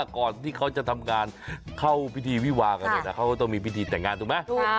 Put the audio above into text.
ก่อนที่เขาจะทำงานเข้าพิธีวิวากันเขาก็ต้องมีพิธีแต่งงานถูกไหม